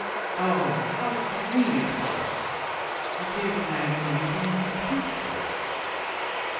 Oh, how green it was! I can't imagine anything more beautiful."